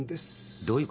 どういうこと？